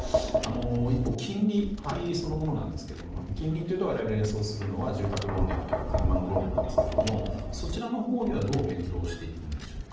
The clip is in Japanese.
一方、金利そのものなんですが金利というと我々が連想するのは住宅ローンであるとか車のローンなんですがそちらのほうにはどう連動していくんでしょうか。